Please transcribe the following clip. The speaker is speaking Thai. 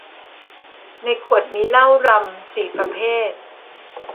ในขวดมีเหล้ารัมสี่ประเภท